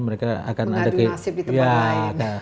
mengadu nasib di tempat lain